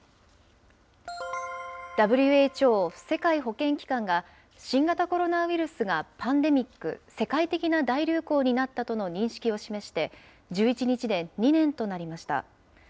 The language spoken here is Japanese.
ＷＨＯ・世界保健機関が、新型コロナウイルスがパンデミック・世界的な大流行になったとの認識を示して、１１日で２年となりました。